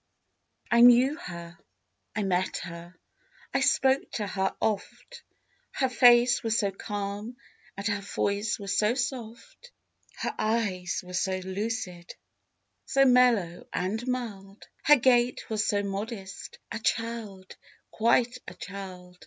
P.) I knew her, I met her, I spoke to her oft, Her face was so calm and her voice was so soft, Her eyes were so lucid, so mellow and mild, Her gait was so modest—a child, quite a child!